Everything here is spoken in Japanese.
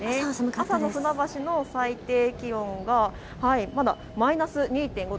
朝の船橋の最低気温がマイナス２．５度。